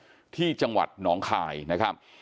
ที่จังหวัดหนองคายนะครับ